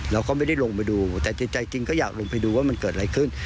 เราก็ไม่ได้ลงไปดูแต่จิตใจจริงก็อยากลงไปดูว่ามันเกิดอะไรขึ้น